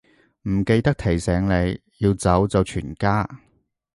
唔記得提醒你，要走就全家